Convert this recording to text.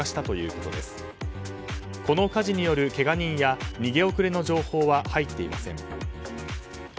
この火事によるけが人は逃げ遅れの情報は入っていません。